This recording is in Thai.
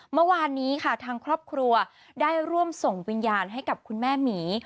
เมื่อวานนี้ค่ะทางครอบครัวได้ร่วมส่งวิญญาณให้กับคุณแม่หมี